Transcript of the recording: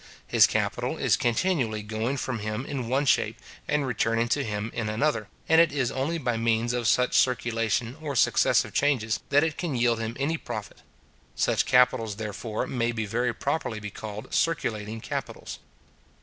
His capital is continually going from him in one shape, and returning to him in another; and it is only by means of such circulation, or successive changes, that it can yield him any profit. Such capitals, therefore, may very properly be called circulating capitals.